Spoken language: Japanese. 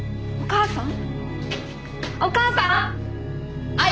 お母さん！